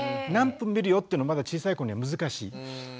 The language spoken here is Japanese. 何分見るよっていうのはまだ小さい子には難しい。